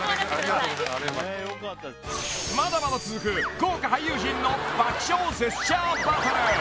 ［まだまだ続く豪華俳優陣の爆笑ジェスチャーバトル］